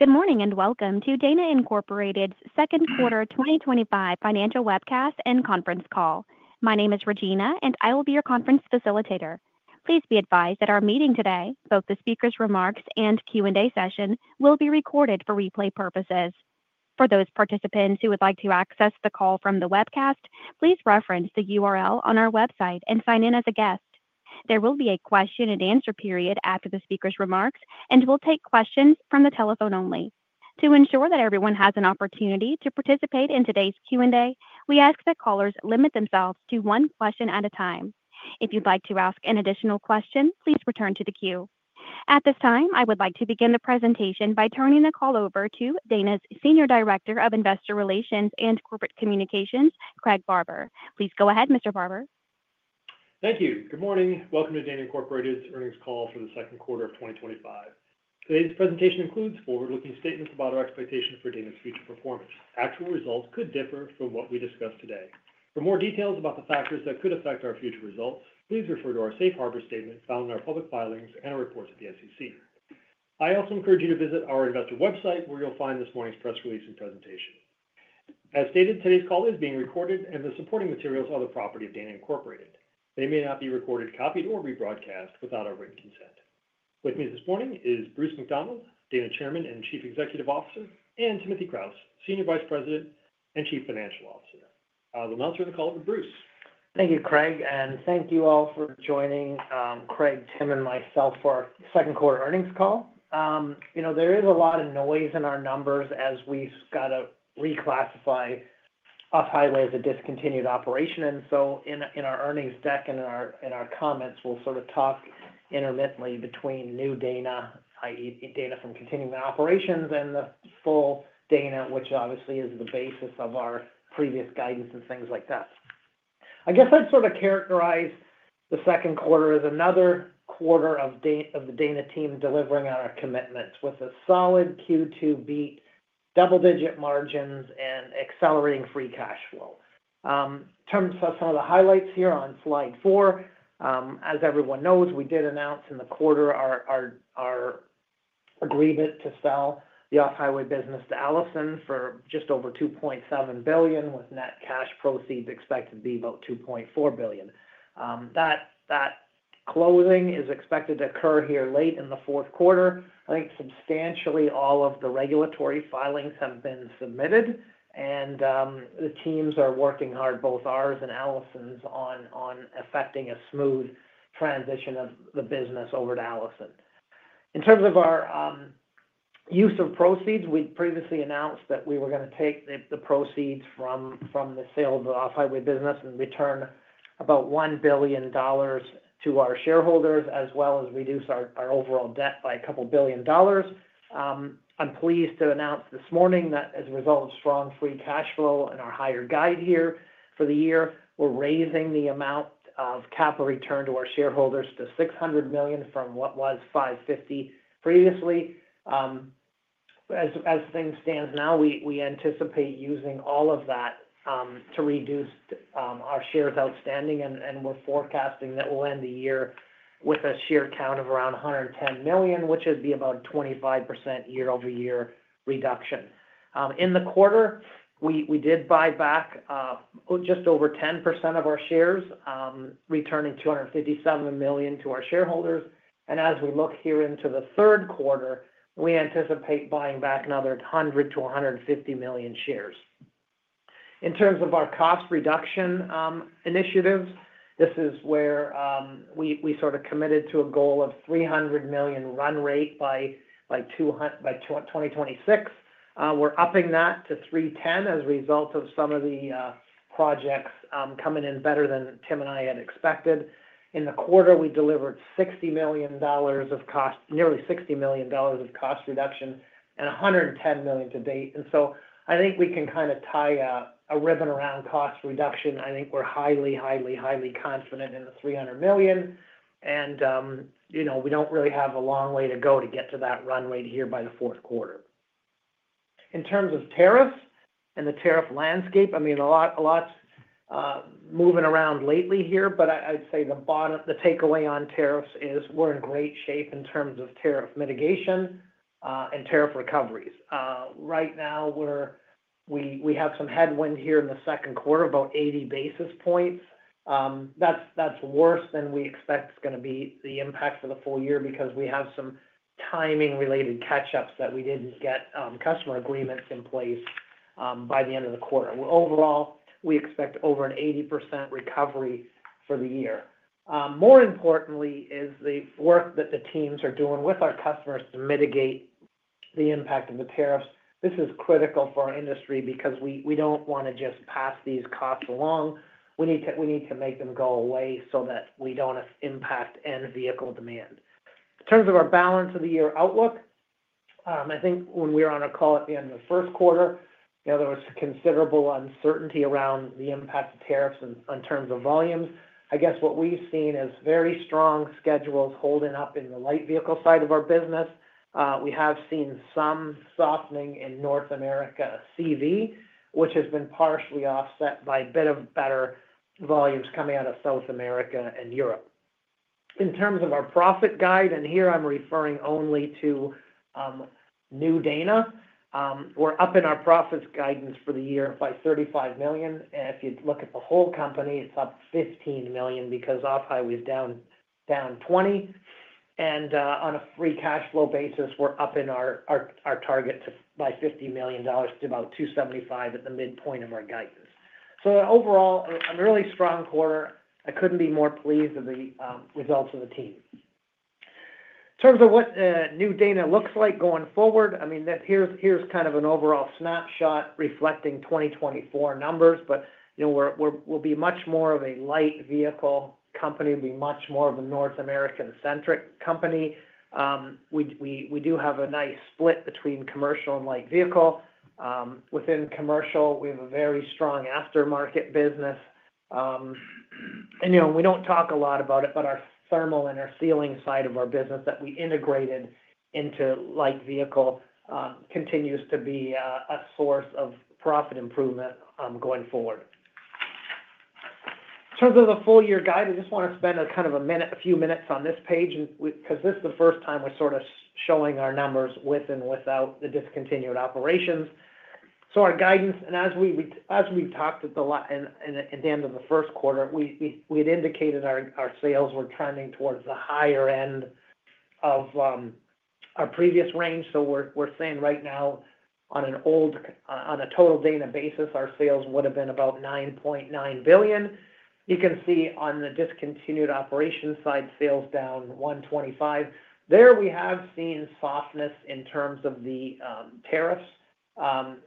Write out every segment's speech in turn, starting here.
Good morning and welcome to Dana Incorporated's second quarter 2025 financial webcast and conference call. My name is Regina, and I will be your conference facilitator. Please be advised that our meeting today, both the speaker's remarks and Q&A session, will be recorded for replay purposes. For those participants who would like to access the call from the webcast, please reference the URL on our website and sign in as a guest. There will be a question-and-answer period after the speaker's remarks, and we'll take questions from the telephone only. To ensure that everyone has an opportunity to participate in today's Q&A, we ask that callers limit themselves to one question at a time. If you'd like to ask an additional question, please return to the queue. At this time, I would like to begin the presentation by turning the call over to Dana's Senior Director of Investor Relations and Corporate Communications, Craig Barber. Please go ahead, Mr. Barber. Thank you. Good morning. Welcome to Dana Incorporated's earnings call for the second quarter of 2025. Today's presentation includes forward-looking statements about our expectations for Dana's future performance. Actual results could differ from what we discussed today. For more details about the factors that could affect our future results, please refer to our safe harbor statement found in our public filings and our reports at the SEC. I also encourage you to visit our investor website, where you'll find this morning's press release and presentation. As stated, today's call is being recorded, and the supporting materials are the property of Dana Incorporated. They may not be recorded, copied, or rebroadcast without our written consent. With me this morning is Bruce McDonald, Dana Chairman and Chief Executive Officer, and Timothy Kraus, Senior Vice President and Chief Financial Officer. I will now turn the call over to Bruce. Thank you, Craig, and thank you all for joining, Craig, Tim, and myself for our second quarter earnings call. There is a lot of noise in our numbers as we've got to reclassify off-highway as a discontinued operation. In our earnings deck and in our comments, we'll sort of talk intermittently between new Dana, i.e., Dana from continuing operations, and the full Dana, which obviously is the basis of our previous guidance and things like that. I guess I'd sort of characterize the second quarter as another quarter of the Dana team delivering on our commitments with a solid Q2 beat, double-digit margins, and accelerating free cash flow. In terms of some of the highlights here on slide four, as everyone knows, we did announce in the quarter our agreement to sell the off-highway business to Allison Transmission for just over $2.7 billion, with net cash proceeds expected to be about $2.4 billion. That closing is expected to occur here late in the fourth quarter. I think substantially all of the regulatory filings have been submitted, and the teams are working hard, both ours and Allison's, on effecting a smooth transition of the business over to Allison. In terms of our use of proceeds, we previously announced that we were going to take the proceeds from the sale of the off-highway business and return about $1 billion to our shareholders, as well as reduce our overall debt by a couple billion dollars. I'm pleased to announce this morning that as a result of strong free cash flow and our higher guide here for the year, we're raising the amount of capital return to our shareholders to $600 million from what was $550 million previously. As things stand now, we anticipate using all of that to reduce our shares outstanding, and we're forecasting that we'll end the year with a share count of around 110 million, which would be about a 25% year-over-year reduction. In the quarter, we did buy back just over 10% of our shares, returning 257 million to our shareholders. As we look here into the third quarter, we anticipate buying back another 100 million-150 million shares. In terms of our cost reduction initiatives, this is where we sort of committed to a goal of $300 million run rate by 2026. We're upping that to $310 million as a result of some of the projects coming in better than Tim and I had expected. In the quarter, we delivered nearly $60 million of cost reduction, and $110 million to date. I think we can kind of tie a ribbon around cost reduction. I think we're highly, highly, highly confident in the $300 million, and you know we don't really have a long way to go to get to that run rate here by the fourth quarter. In terms of tariffs and the tariff landscape, a lot's moving around lately here, but I'd say the takeaway on tariffs is we're in great shape in terms of tariff mitigation and tariff recoveries. Right now, we have some headwind here in the second quarter, about 80 basis points. That's worse than we expect it's going to be the impact for the full year because we have some timing-related catch-ups that we didn't get customer agreements in place by the end of the quarter. Overall, we expect over an 80% recovery for the year. More importantly is the work that the teams are doing with our customers to mitigate the impact of the tariffs. This is critical for our industry because we don't want to just pass these costs along. We need to make them go away so that we don't impact end vehicle demand. In terms of our balance of the year outlook, I think when we were on a call at the end of the first quarter, there was considerable uncertainty around the impact of tariffs in terms of volumes. I guess what we've seen is very strong schedules holding up in the light vehicle side of our business. We have seen some softening in North America CV, which has been partially offset by a bit of better volumes coming out of South America and Europe. In terms of our profit guide, and here I'm referring only to new Dana, we're upping our profits guidance for the year by $35 million. If you look at the whole company, it's up $15 million because off-highway is down $20 million. On a free cash flow basis, we're upping our target by $50 million to about $275 million at the midpoint of our guidance. Overall, a really strong quarter. I couldn't be more pleased with the results of the team. In terms of what new Dana looks like going forward, here's kind of an overall snapshot reflecting 2024 numbers, but you know we'll be much more of a light vehicle company. We'll be much more of a North American-centric company. We do have a nice split between commercial and light vehicle. Within commercial, we have a very strong aftermarket business. You know we don't talk a lot about it, but our thermal and our sealing side of our business that we integrated into light vehicle continues to be a source of profit improvement going forward. In terms of the full year guide, I just want to spend a minute, a few minutes on this page because this is the first time we're sort of showing our numbers with and without the discontinued operations. Our guidance, and as we've talked at the end of the first quarter, we had indicated our sales were trending towards the higher end of our previous range. We're saying right now on a total Dana basis, our sales would have been about $9.9 billion. You can see on the discontinued operation side, sales down $125 million. There we have seen softness in terms of the tariffs,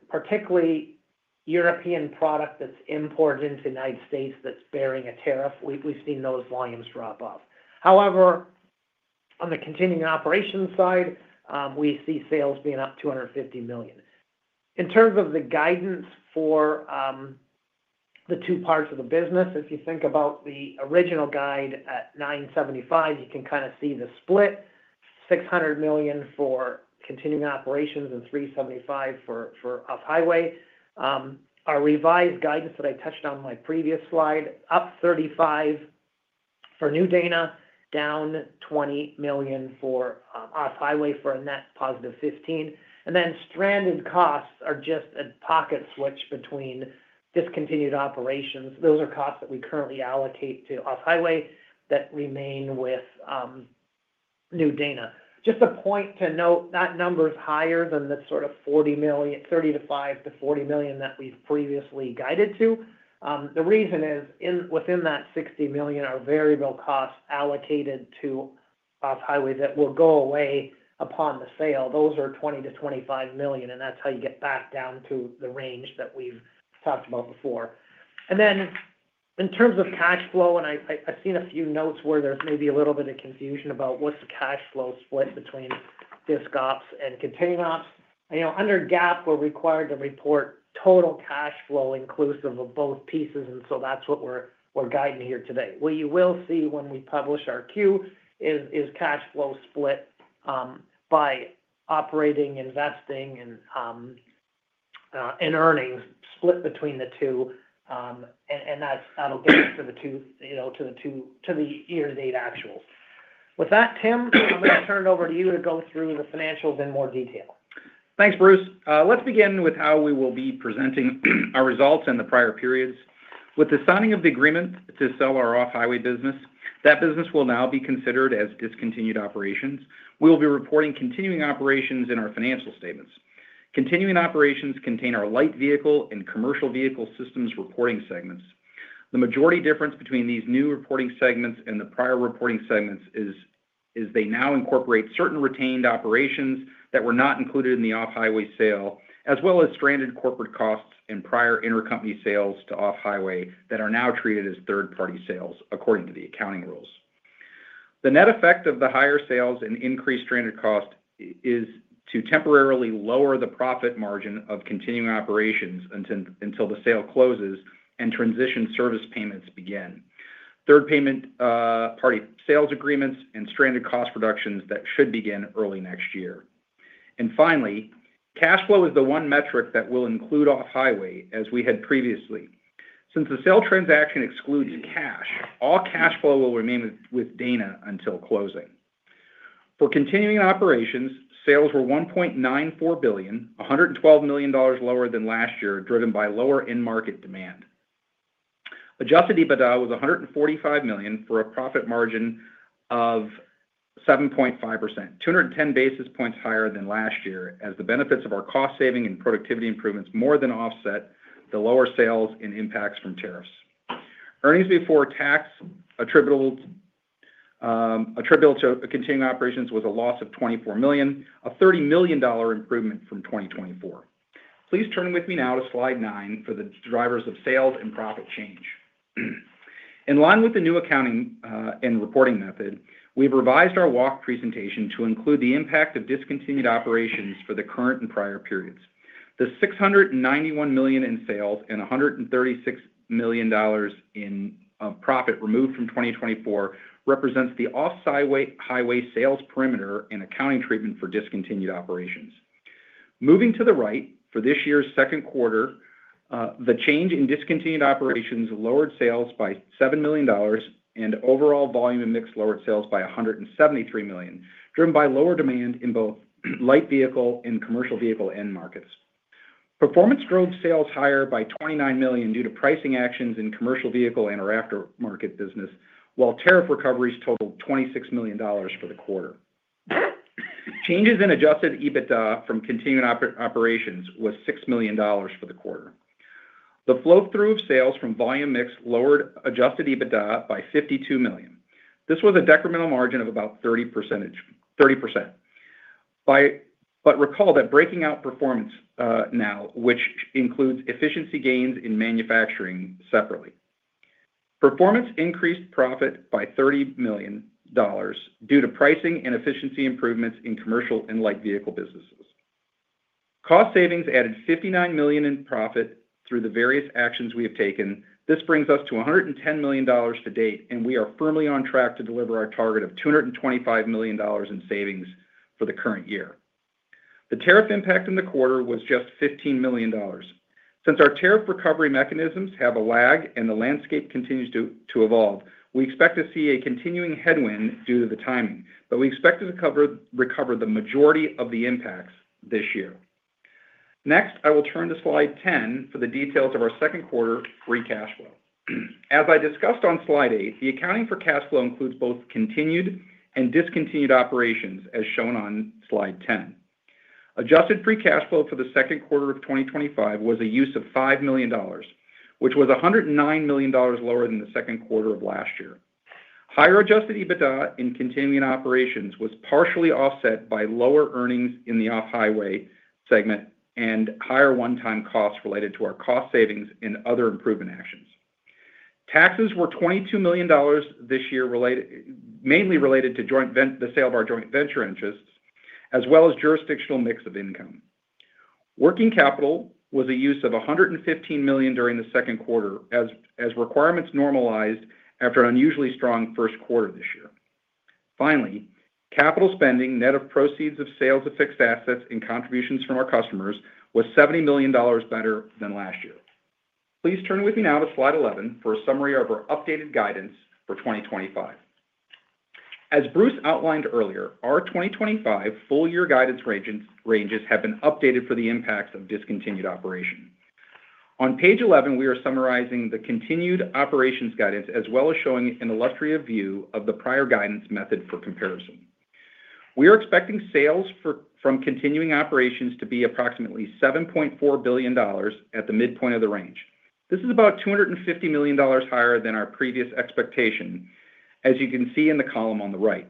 particularly European product that's imported into the United States that's bearing a tariff. We've seen those volumes drop off. However, on the continuing operations side, we see sales being up $250 million. In terms of the guidance for the two parts of the business, if you think about the original guide at $975 million, you can kind of see the split. $600 million for continuing operations and $375 million for off-highway. Our revised guidance that I touched on in my previous slide, up $35 million for new Dana, down $20 million for off-highway for a net positive $15 million. Stranded costs are just a pocket switch between discontinued operations. Those are costs that we currently allocate to off-highway that remain with new Dana. Just a point to note, that number is higher than the $35 million-$40 million that we've previously guided to. The reason is within that $60 million are variable costs allocated to off-highway that will go away upon the sale. Those are $20 million-$25 million, and that's how you get back down to the range that we've talked about before. In terms of cash flow, and I've seen a few notes where there's maybe a little bit of confusion about what's the cash flow split between discontinued and continuing ops. Under GAAP, we're required to report total cash flow inclusive of both pieces, and that's what we're guiding here today. What you will see when we publish our Q is cash flow split by operating, investing, and earnings split between the two, and that'll get us to the year-to-date actuals. With that, Tim, I'm going to turn it over to you to go through the financials in more detail. Thanks, Bruce. Let's begin with how we will be presenting our results in the prior periods. With the signing of the agreement to sell our off-highway business, that business will now be considered as discontinued operations. We will be reporting continuing operations in our financial statements. Continuing operations contain our light vehicle and commercial vehicle systems reporting segments. The majority difference between these new reporting segments and the prior reporting segments is they now incorporate certain retained operations that were not included in the off-highway sale, as well as stranded corporate costs and prior intercompany sales to off-highway that are now treated as third-party sales according to the accounting rules. The net effect of the higher sales and increased stranded costs is to temporarily lower the profit margin of continuing operations until the sale closes and transition service payments begin. Third-party sales agreements and stranded cost reductions should begin early next year. Finally, cash flow is the one metric that will include off-highway as we had previously. Since the sale transaction excludes cash, all cash flow will remain with Dana until closing. For continuing operations, sales were $1.94 billion, $112 million lower than last year, driven by lower in-market demand. Adjusted EBITDA was $145 million for a profit margin of 7.5%, 210 basis points higher than last year, as the benefits of our cost saving and productivity improvements more than offset the lower sales and impacts from tariffs. Earnings before tax attributable to continuing operations was a loss of $24 million, a $30 million improvement from 2024. Please turn with me now to slide nine for the drivers of sales and profit change. In line with the new accounting and reporting method, we've revised our WOC presentation to include the impact of discontinued operations for the current and prior periods. The $691 million in sales and $136 million in profit removed from 2024 represents the off-highway sales perimeter and accounting treatment for discontinued operations. Moving to the right for this year's second quarter, the change in discontinued operations lowered sales by $7 million and overall volume and mix lowered sales by $173 million, driven by lower demand in both light vehicle and commercial vehicle end markets. Performance drove sales higher by $29 million due to pricing actions in commercial vehicle and/or aftermarket business, while tariff recoveries totaled $26 million for the quarter. Changes in adjusted EBITDA from continuing operations was $6 million for the quarter. The flow-through of sales from volume mix lowered adjusted EBITDA by $52 million. This was a decremental margin of about 30%. Recall that breaking out performance now, which includes efficiency gains in manufacturing separately. Performance increased profit by $30 million due to pricing and efficiency improvements in commercial and light vehicle businesses. Cost savings added $59 million in profit through the various actions we have taken. This brings us to $110 million to date, and we are firmly on track to deliver our target of $225 million in savings for the current year. The tariff impact in the quarter was just $15 million. Since our tariff recovery mechanisms have a lag and the landscape continues to evolve, we expect to see a continuing headwind due to the timing, but we expect to recover the majority of the impacts this year. Next, I will turn to slide 10 for the details of our second quarter free cash flow. As I discussed on slide eight, the accounting for cash flow includes both continued and discontinued operations, as shown on slide 10. Adjusted free cash flow for the second quarter of 2025 was a use of $5 million, which was $109 million lower than the second quarter of last year. Higher adjusted EBITDA in continuing operations was partially offset by lower earnings in the off-highway segment and higher one-time costs related to our cost savings and other improvement actions. Taxes were $22 million this year, mainly related to the sale of our joint venture interests, as well as jurisdictional mix of income. Working capital was a use of $115 million during the second quarter, as requirements normalized after an unusually strong first quarter this year. Finally, capital spending net of proceeds of sales of fixed assets and contributions from our customers was $70 million better than last year. Please turn with me now to slide 11 for a summary of our updated guidance for 2025. As Bruce outlined earlier, our 2025 full-year guidance ranges have been updated for the impacts of discontinued operation. On page 11, we are summarizing the continued operations guidance, as well as showing an illustrative view of the prior guidance method for comparison. We are expecting sales from continuing operations to be approximately $7.4 billion at the midpoint of the range. This is about $250 million higher than our previous expectation, as you can see in the column on the right.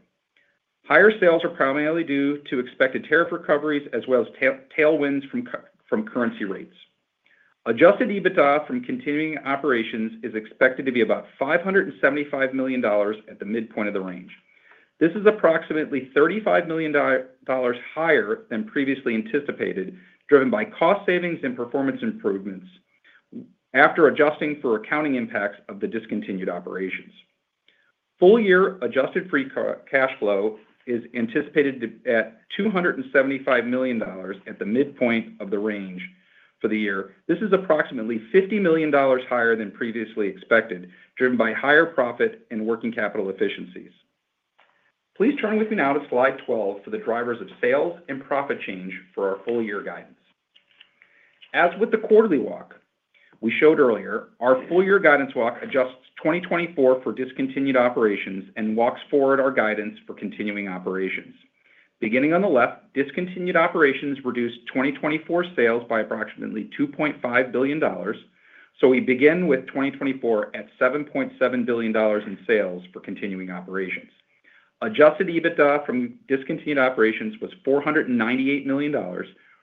Higher sales are primarily due to expected tariff recoveries, as well as tailwinds from currency rates. Adjusted EBITDA from continuing operations is expected to be about $575 million at the midpoint of the range. This is approximately $35 million higher than previously anticipated, driven by cost savings and performance improvements after adjusting for accounting impacts of the discontinued operations. Full-year adjusted free cash flow is anticipated at $275 million at the midpoint of the range for the year. This is approximately $50 million higher than previously expected, driven by higher profit and working capital efficiencies. Please turn with me now to slide 12 for the drivers of sales and profit change for our full-year guidance. As with the quarterly WOC, we showed earlier, our full-year guidance WOC adjusts 2024 for discontinued operations and walks forward our guidance for continuing operations. Beginning on the left, discontinued operations reduced 2024 sales by approximately $2.5 billion. We begin with 2024 at $7.7 billion in sales for continuing operations. Adjusted EBITDA from discontinued operations was $498 million,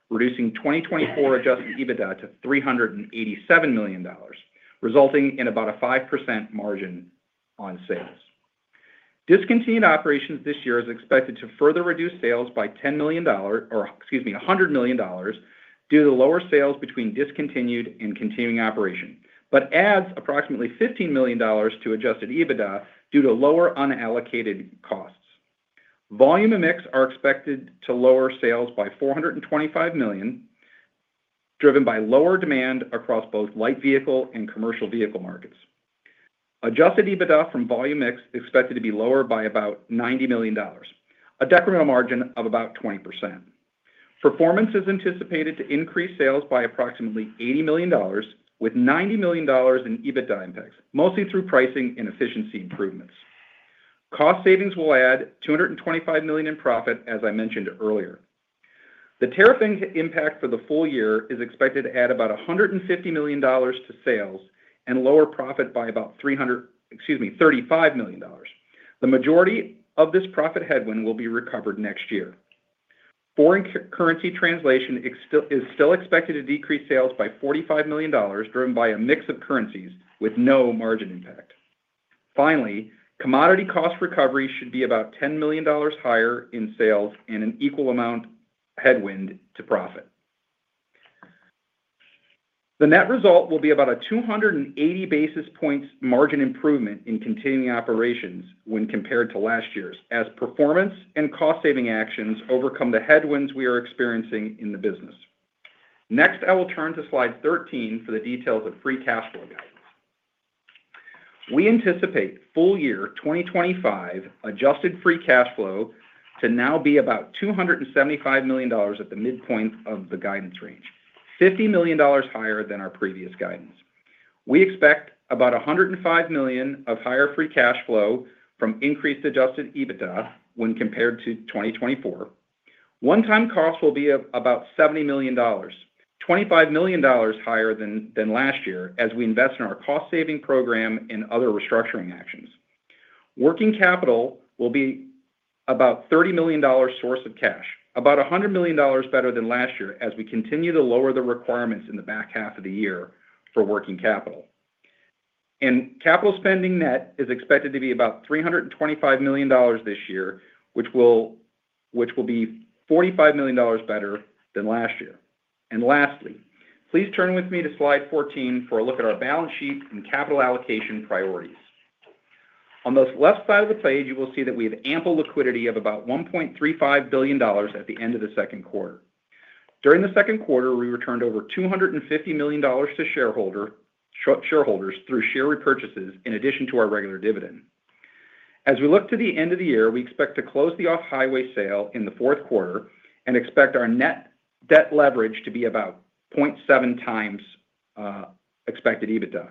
reducing 2024 adjusted EBITDA to $387 million, resulting in about a 5% margin on sales. Discontinued operations this year is expected to further reduce sales by $100 million due to the lower sales between discontinued and continuing operation, but adds approximately $15 million to adjusted EBITDA due to lower unallocated costs. Volume and mix are expected to lower sales by $425 million, driven by lower demand across both light vehicle and commercial vehicle markets. Adjusted EBITDA from volume mix is expected to be lower by about $90 million, a decremental margin of about 20%. Performance is anticipated to increase sales by approximately $80 million, with $90 million in EBITDA impacts, mostly through pricing and efficiency improvements. Cost savings will add $225 million in profit, as I mentioned earlier. The tariff impact for the full year is expected to add about $150 million to sales and lower profit by about $35 million. The majority of this profit headwind will be recovered next year. Foreign currency translation is still expected to decrease sales by $45 million, driven by a mix of currencies with no margin impact. Finally, commodity cost recovery should be about $10 million higher in sales and an equal amount headwind to profit. The net result will be about a 280 basis points margin improvement in continuing operations when compared to last year's, as performance and cost saving actions overcome the headwinds we are experiencing in the business. Next, I will turn to slide 13 for the details of free cash flow guidance. We anticipate full-year 2025 adjusted free cash flow to now be about $275 million at the midpoint of the guidance range, $50 million higher than our previous guidance. We expect about $105 million of higher free cash flow from increased adjusted EBITDA when compared to 2024. One-time costs will be about $70 million, $25 million higher than last year as we invest in our cost saving program and other restructuring actions. Working capital will be about $30 million source of cash, about $100 million better than last year as we continue to lower the requirements in the back half of the year for working capital. Capital spending net is expected to be about $325 million this year, which will be $45 million better than last year. Lastly, please turn with me to slide 14 for a look at our balance sheet and capital allocation priorities. On the left side of the page, you will see that we have ample liquidity of about $1.35 billion at the end of the second quarter. During the second quarter, we returned over $250 million to shareholders through share repurchases in addition to our regular dividend. As we look to the end of the year, we expect to close the off-highway sale in the fourth quarter and expect our net debt leverage to be about 0.7x expected EBITDA.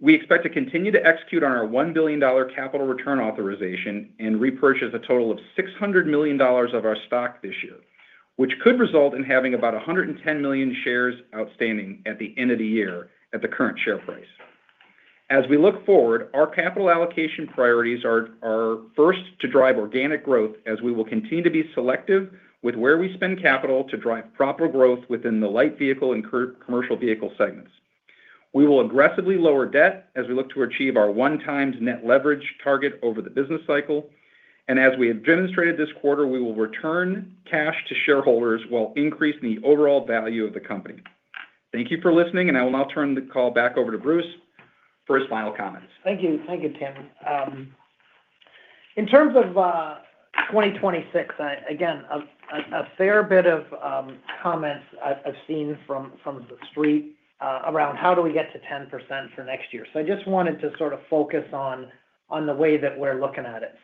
We expect to continue to execute on our $1 billion capital return authorization and repurchase a total of $600 million of our stock this year, which could result in having about 110 million shares outstanding at the end of the year at the current share price. As we look forward, our capital allocation priorities are first to drive organic growth as we will continue to be selective with where we spend capital to drive proper growth within the light vehicle and commercial vehicle segments. We will aggressively lower debt as we look to achieve our one-time net leverage target over the business cycle. As we have demonstrated this quarter, we will return cash to shareholders while increasing the overall value of the company. Thank you for listening, and I will now turn the call back over to Bruce for his final comments. Thank you. Thank you, Tim. In terms of 2026, again, a fair bit of comments I've seen from the street around how do we get to 10% for next year. I just wanted to sort of focus on the way that we're looking at it.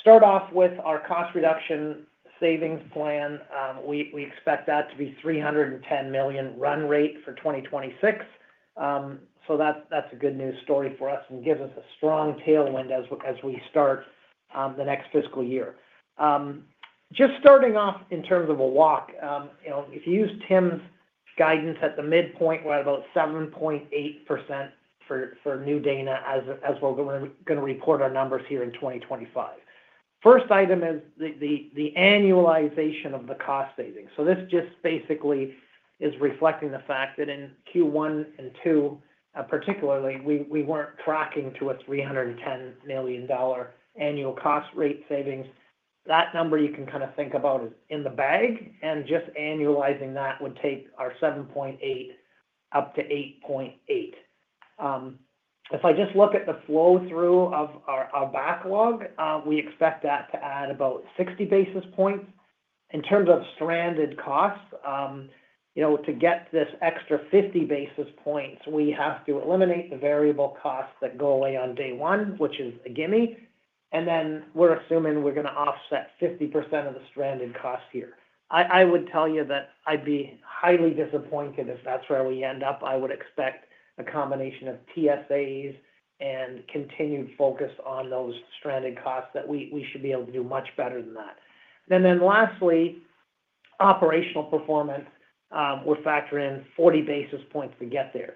Start off with our cost reduction savings plan. We expect that to be $310 million run rate for 2026. That's a good news story for us and gives us a strong tailwind as we start the next fiscal year. Just starting off in terms of a WOC, if you use Tim's guidance at the midpoint, we're at about 7.8% for new Dana as we're going to report our numbers here in 2025. First item is the annualization of the cost savings. This just basically is reflecting the fact that in Q1 and Q2, particularly, we weren't tracking to a $310 million annual cost rate savings. That number you can kind of think about in the bag, and just annualizing that would take our 7.8% up to 8.8%. If I just look at the flow-through of our backlog, we expect that to add about 60 basis points. In terms of stranded costs, to get this extra 50 basis points, we have to eliminate the variable costs that go away on day one, which is a gimme. We're assuming we're going to offset 50% of the stranded costs here. I would tell you that I'd be highly disappointed if that's where we end up. I would expect a combination of TSAs and continued focus on those stranded costs that we should be able to do much better than that. Lastly, operational performance, we'll factor in 40 basis points to get there.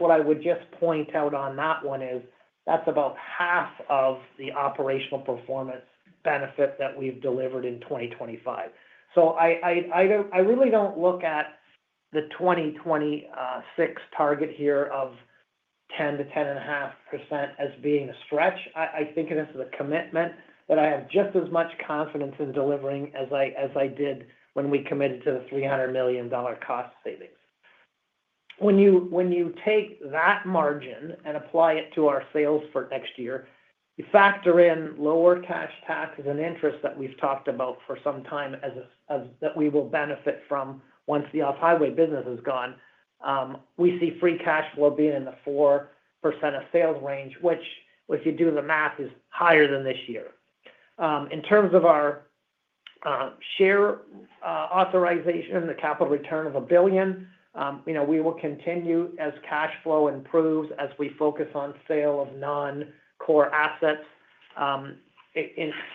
What I would just point out on that one is that's about half of the operational performance benefit that we've delivered in 2025. I really don't look at the 2026 target here of 10%-10.5% as being the stretch. I think of this as a commitment that I have just as much confidence in delivering as I did when we committed to the $300 million cost savings. When you take that margin and apply it to our sales for next year, you factor in lower cash taxes and interest that we've talked about for some time that we will benefit from once the off-highway business is gone. We see free cash flow being in the 4% of sales range, which if you do the math is higher than this year. In terms of our share authorization, the capital return of $1 billion, we will continue as cash flow improves as we focus on sale of non-core assets,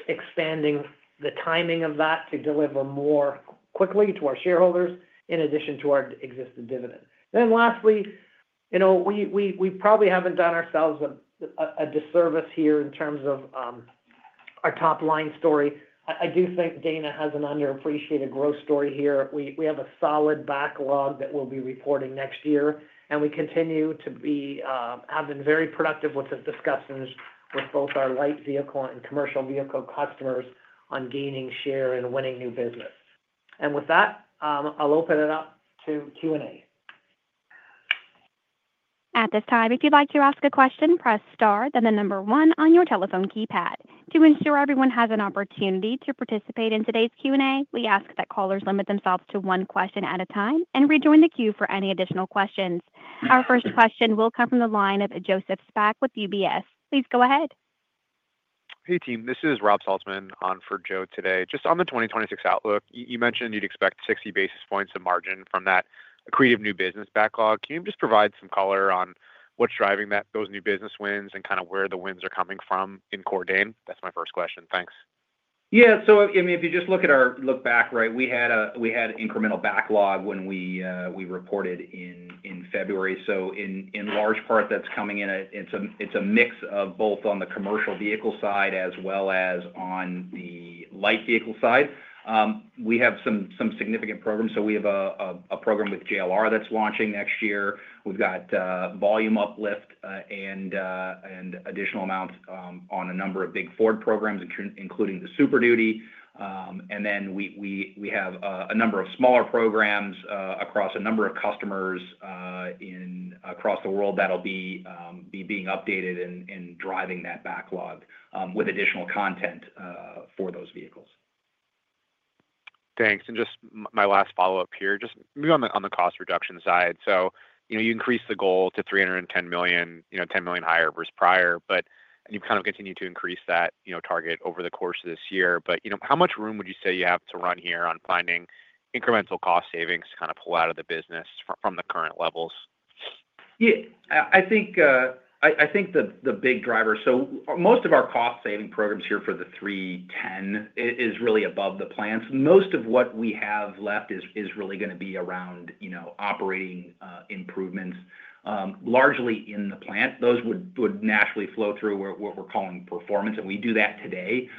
expanding the timing of that to deliver more quickly to our shareholders in addition to our existing dividend. Lastly, we probably haven't done ourselves a disservice here in terms of our top-line story. I do think Dana has an underappreciated growth story here. We have a solid backlog that we'll be reporting next year, and we continue to be having very productive discussions with both our light vehicle and commercial vehicle customers on gaining share and winning new business. With that, I'll open it up to Q&A. At this time, if you'd like to ask a question, press star, then the number one on your telephone keypad. To ensure everyone has an opportunity to participate in today's Q&A, we ask that callers limit themselves to one question at a time and rejoin the queue for any additional questions. Our first question will come from the line of Joseph Spak with UBS Investment Bank. Please go ahead. Hey, team. This is Robert Saltzman on for Joe today. Just on the 2026 outlook, you mentioned you'd expect 60 basis points of margin from that accretive new business backlog. Can you just provide some color on what's driving those new business wins and kind of where the wins are coming from in core Dana? That's my first question. Thanks. Yeah. If you just look at our look back, we had an incremental backlog when we reported in February. In large part, that's coming in. It's a mix of both on the commercial vehicle side as well as on the light vehicle side. We have some significant programs. We have a program with JLR that's launching next year. We've got volume uplift and additional amounts on a number of big Ford programs, including the Super Duty. We have a number of smaller programs across a number of customers across the world that'll be updated and driving that backlog with additional content for those vehicles. Thanks. Just my last follow-up here, maybe on the cost reduction side. You increased the goal to $310 million, $10 million higher versus prior, and you've kind of continued to increase that target over the course of this year. How much room would you say you have to run here on finding incremental cost savings to kind of pull out of the business from the current levels? I think the big driver, so most of our cost-saving programs here for the $310 million is really above the plants. Most of what we have left is really going to be around operational improvements, largely in the plants. Those would naturally flow through what we're calling performance, and we do that today.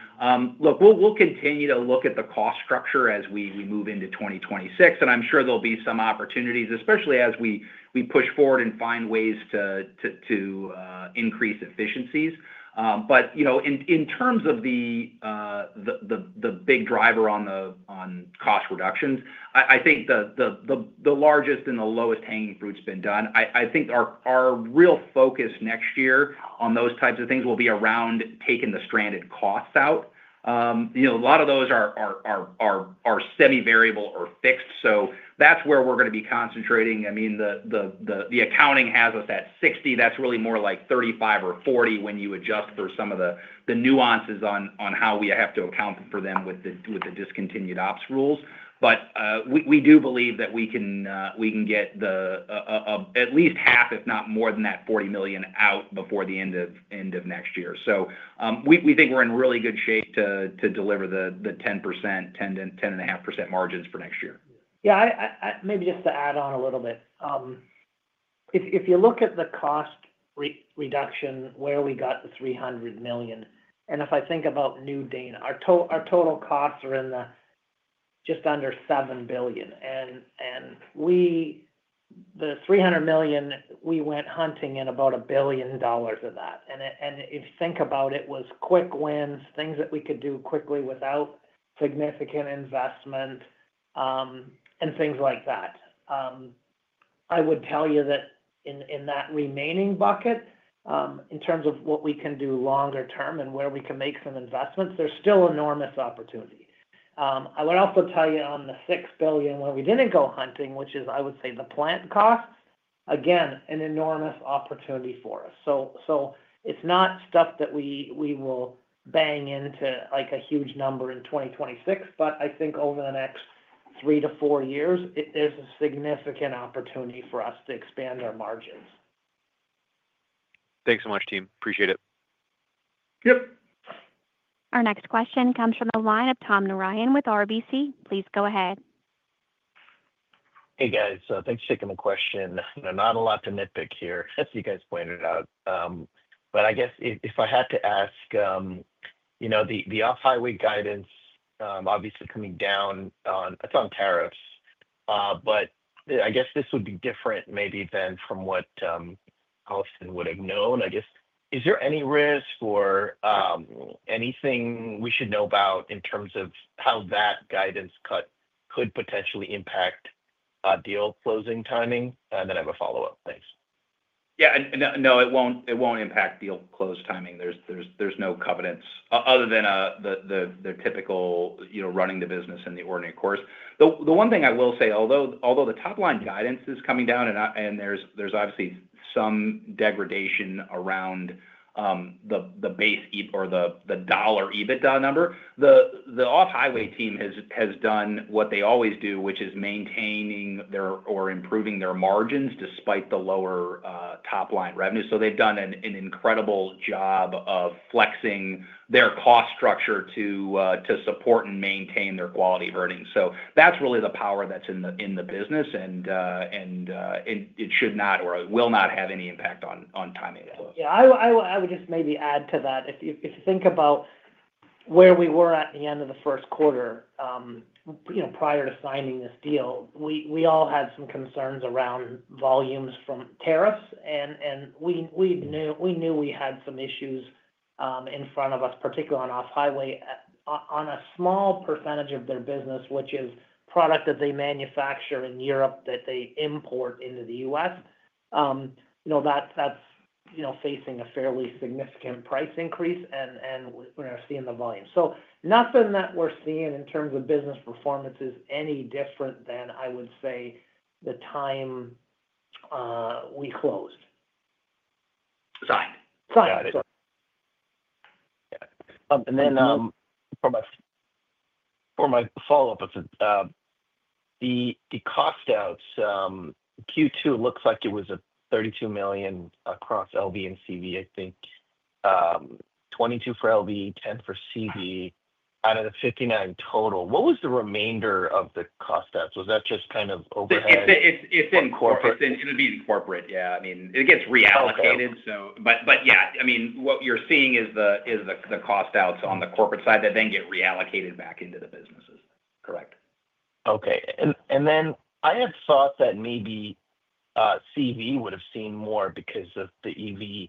We'll continue to look at the cost structure as we move into 2026, and I'm sure there'll be some opportunities, especially as we push forward and find ways to increase efficiencies. In terms of the big driver on cost reductions, I think the largest and the lowest-hanging fruit's been done. I think our real focus next year on those types of things will be around taking the stranded costs out. A lot of those are semi-variable or fixed. That's where we're going to be concentrating. The accounting has us at $60 million. That's really more like $35 million or $40 million when you adjust for some of the nuances on how we have to account for them with the discontinued ops rules. We do believe that we can get at least half, if not more than that $40 million out before the end of next year. We think we're in really good shape to deliver the 10%, 10.5% margins for next year. Yeah. Maybe just to add on a little bit, if you look at the cost reduction where we got the $300 million, and if I think about new Dana, our total costs are in the just under $7 billion. The $300 million, we went hunting in about $1 billion of that. If you think about it, it was quick wins, things that we could do quickly without significant investment, and things like that. I would tell you that in that remaining bucket, in terms of what we can do longer term and where we can make some investments, there's still enormous opportunity. I would also tell you on the $6 billion where we didn't go hunting, which is, I would say, the plant cost, again, an enormous opportunity for us. It's not stuff that we will bang into like a huge number in 2026, but I think over the next three to four years, it is a significant opportunity for us to expand our margins. Thanks so much, Tim. Appreciate it. Yep. Our next question comes from the line of Gautam Narayan with RBC Capital Markets. Please go ahead. Hey, guys. Thanks for taking the question. Not a lot to nitpick here, as you guys pointed out. I guess if I had to ask, the off-highway guidance obviously coming down on, it's on tariffs. I guess this would be different maybe than from what Allison would have known. Is there any risk or anything we should know about in terms of how that guidance cut could potentially impact deal closing timing? I have a follow-up. Thanks. Yeah. No, it won't impact deal close timing. There are no covenants other than the typical, you know, running the business in the ordinary course. The one thing I will say, although the top-line guidance is coming down and there's obviously some degradation around the base or the dollar adjusted EBITDA number, the off-highway team has done what they always do, which is maintaining their or improving their margins despite the lower top-line revenue. They've done an incredible job of flexing their cost structure to support and maintain their quality of earnings. That's really the power that's in the business, and it should not or will not have any impact on timing. Yeah. I would just maybe add to that. If you think about where we were at the end of the first quarter, prior to signing this deal, we all had some concerns around volumes from tariffs, and we knew we had some issues in front of us, particularly on off-highway on a small percentage of their business, which is product that they manufacture in Europe that they import into the U.S. That's facing a fairly significant price increase, and we're seeing the volume. Nothing that we're seeing in terms of business performance is any different than, I would say, the time we closed. Signed. Got it. Yeah. For my follow-up, the cost outs, Q2 looks like it was $32 million across LV and CV, I think $22 million for LV, $10 million for CV, out of the $59 million total. What was the remainder of the cost outs? Was that just kind of overhead? It's in corporate. It'll be in corporate, yeah. I mean, it gets reallocated. What you're seeing is the cost outs on the corporate side that then get reallocated back into the businesses, correct. Okay. I had thought that maybe CV would have seen more because of the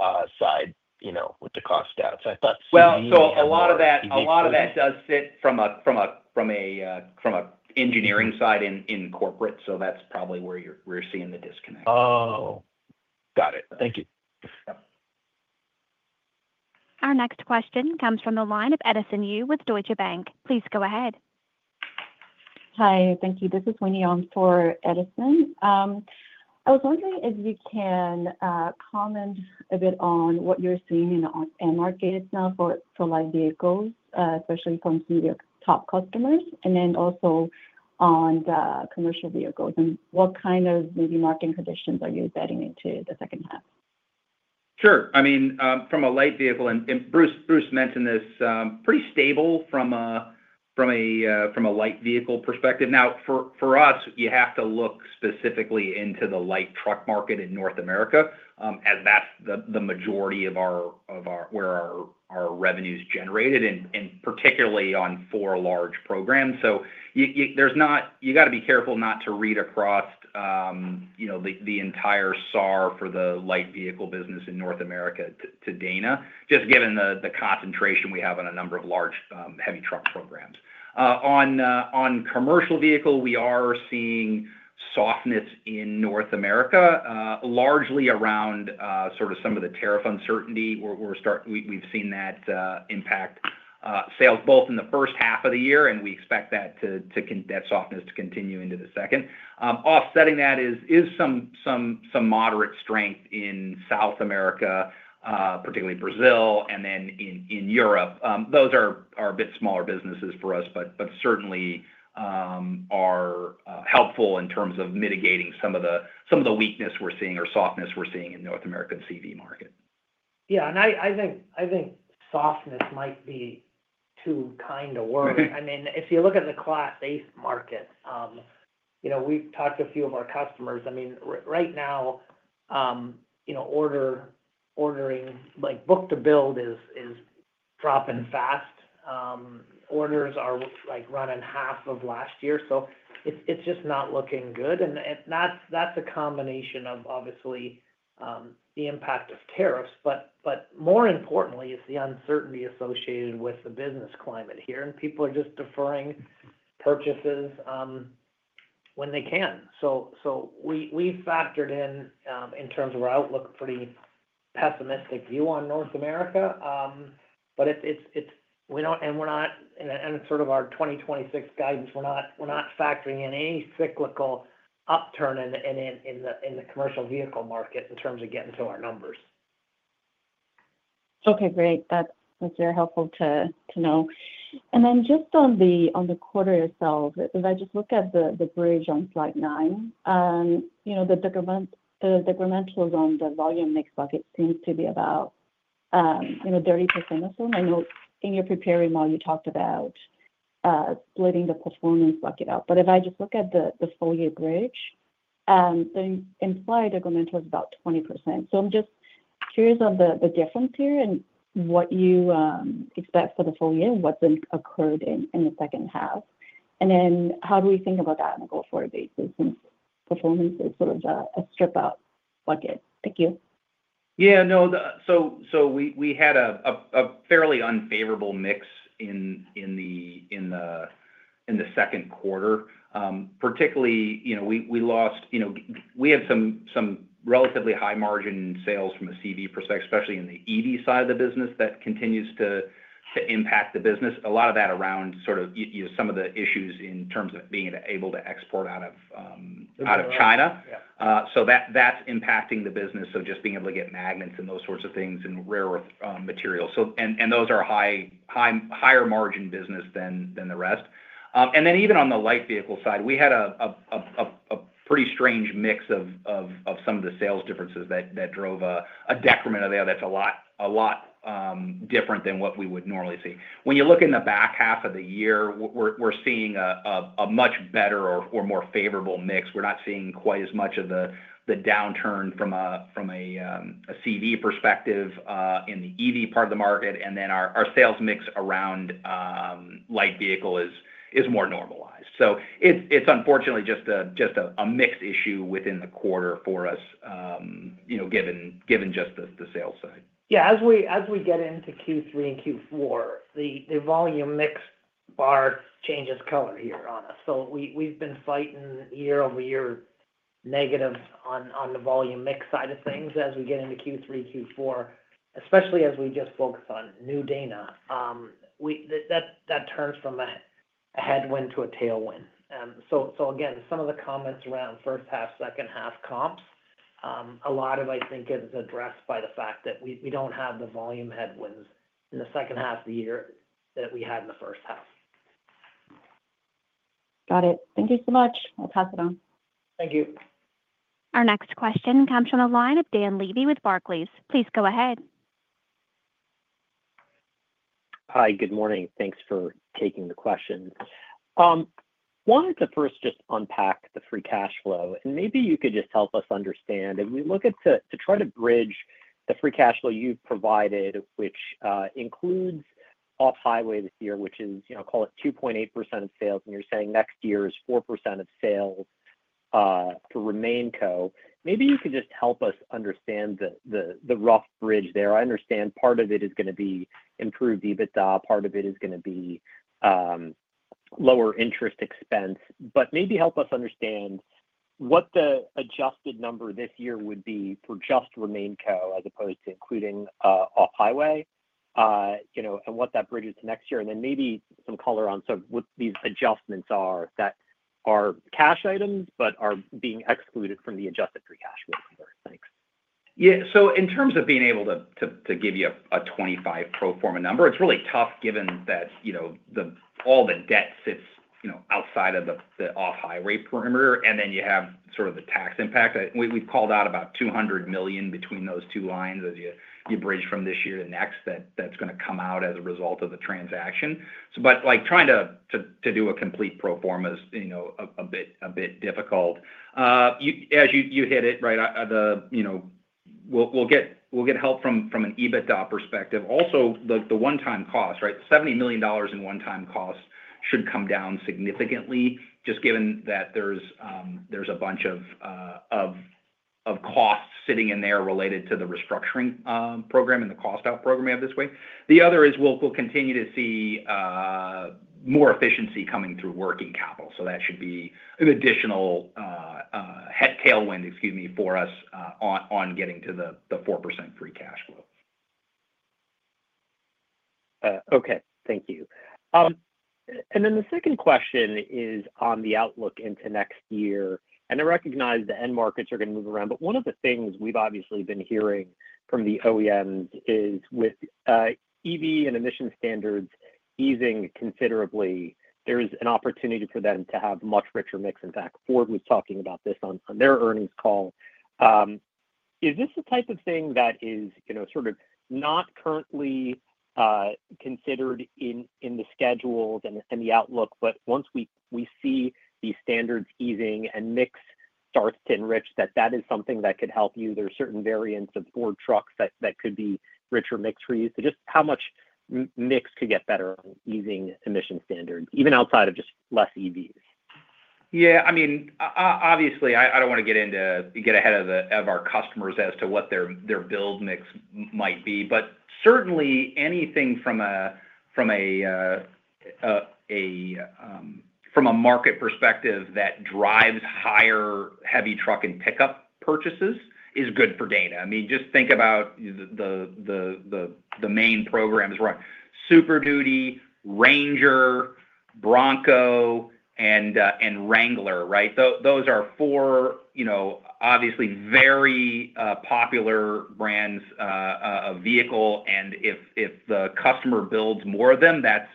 EV side, you know, with the cost outs. I thought. A lot of that does sit from an engineering side in corporate, so that's probably where we're seeing the disconnect. Oh.Got it. Thank you. Our next question comes from the line of Edison Yu with Deutsche Bank. Please go ahead. Hi. Thank you. This is Jin Yee Young for Edison. I was wondering if you can comment a bit on what you're seeing in the end market itself for light vehicles, especially from the top customers, and also on the commercial vehicles. What kind of maybe market conditions are you betting into the second half? Sure. I mean, from a light vehicle, and Bruce mentioned this, pretty stable from a light vehicle perspective. Now, for us, you have to look specifically into the light truck market in North America, as that's the majority of where our revenue is generated, and particularly on four large programs. You have to be careful not to read across the entire SAR for the light vehicle business in North America to Dana, just given the concentration we have on a number of large heavy truck programs. On commercial vehicle, we are seeing softness in North America, largely around sort of some of the tariff uncertainty. We've seen that impact sales both in the first half of the year, and we expect that softness to continue into the second. Offsetting that is some moderate strength in South America, particularly Brazil, and then in Europe. Those are a bit smaller businesses for us, but certainly are helpful in terms of mitigating some of the weakness we're seeing or softness we're seeing in the North American CV market. Yeah, I think softness might be too kind a word. I mean, if you look at the cloth-based market, we've talked to a few of our customers. Right now, ordering, like book to build, is dropping fast. Orders are running half of last year. It's just not looking good, and that's a combination of, obviously, the impact of tariffs. More importantly, it's the uncertainty associated with the business climate here, and people are just deferring purchases when they can. We factored in, in terms of our outlook, a pretty pessimistic view on North America. We don't, and we're not, and it's sort of our 2026 guidance. We're not factoring in any cyclical upturn in the commercial vehicle market in terms of getting to our numbers. Okay. Great. That's very helpful to know. Just on the quarter itself, if I look at the bridge on slide nine, the decrementalism on the volume mix bucket seems to be about 30% or so. I know in your preparing model, you talked about splitting the performance bucket up. If I look at the full-year bridge, the implied increment was about 20%. I'm just curious on the difference here and what you expect for the full year and what then occurred in the second half. How do we think about that on a go-forward basis since performance is sort of a stripped-out bucket? Thank you. Yeah. No. We had a fairly unfavorable mix in the second quarter. Particularly, we had some relatively high margin sales from a CV perspective, especially in the EV side of the business that continues to impact the business. A lot of that is around some of the issues in terms of being able to export out of China. That's impacting the business, just being able to get magnets and those sorts of things and rare earth materials. Those are higher margin business than the rest. Even on the light vehicle side, we had a pretty strange mix of some of the sales differences that drove a decrement there that's a lot different than what we would normally see. When you look in the back half of the year, we're seeing a much better or more favorable mix. We're not seeing quite as much of the downturn from a CV perspective in the EV part of the market. Our sales mix around light vehicle is more normalized. It's unfortunately just a mix issue within the quarter for us, given just the sales side. As we get into Q3 and Q4, the volume mix bar changes color here on us. We've been fighting year-over-year negatives on the volume mix side of things as we get into Q3, Q4, especially as we just focus on new Dana. That turns from a headwind to a tailwind. Some of the comments around first half, second half comps, a lot of it, I think, is addressed by the fact that we don't have the volume headwinds in the second half of the year that we had in the first half. Got it. Thank you so much. I'll pass it on. Thank you. Our next question comes from the line of Dan Levy with Barclays Bank PLC. Please go ahead. Hi. Good morning. Thanks for taking the question. I wanted to first just unpack the free cash flow. Maybe you could just help us understand. If we look at to try to bridge the free cash flow you've provided, which includes off-highway this year, which is, you know, call it 2.8% of sales, and you're saying next year is 4% of sales to RemainCo. Maybe you could just help us understand the rough bridge there. I understand part of it is going to be improved EBITDA. Part of it is going to be lower interest expense. Maybe help us understand what the adjusted number this year would be for just RemainCo as opposed to including off-highway, you know, and what that bridges to next year. Maybe some color on some of what these adjustments are that are cash items but are being excluded from the adjusted free cash flow. Thanks. Yeah. In terms of being able to give you a 2025 pro forma number, it's really tough given that, you know, all the debt sits, you know, outside of the off-highway perimeter. Then you have sort of the tax impact. We've called out about $200 million between those two lines as you bridge from this year to next that's going to come out as a result of the transaction. Trying to do a complete pro forma is, you know, a bit difficult. As you hit it, right, we'll get help from an adjusted EBITDA perspective. Also, the one-time cost, right? $70 million in one-time costs should come down significantly, just given that there's a bunch of costs sitting in there related to the restructuring program and the cost-out program we have this way. The other is we'll continue to see more efficiency coming through working capital. That should be an additional tailwind, excuse me, for us on getting to the 4% free cash flow. Okay. Thank you. The second question is on the outlook into next year. I recognize the end markets are going to move around, but one of the things we've obviously been hearing from the OEMs is with EV and emission standards easing considerably, there's an opportunity for them to have a much richer mix. In fact, Ford was talking about this on their earnings call. Is this the type of thing that is, you know, sort of not currently considered in the schedule and the outlook, but once we see these standards easing and mix start to enrich, that that is something that could help you? There's certain variants of Ford trucks that could be richer mix for you. Just how much mix could get better on easing emission standards, even outside of just less EVs? Yeah. I mean, obviously, I don't want to get ahead of our customers as to what their build mix might be. Certainly, anything from a market perspective that drives higher heavy truck and pickup purchases is good for Dana. I mean, just think about the main programs, right? Super Duty, Ranger, Bronco, and Wrangler, right? Those are four, you know, obviously very popular brands of vehicle. If the customer builds more of them, that's